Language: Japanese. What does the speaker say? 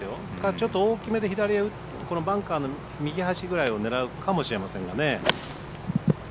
ちょっと大きめでこのバンカーの右端ぐらいを狙うかもしれませんがね。